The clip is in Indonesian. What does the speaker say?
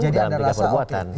dalam tingkah perbuatan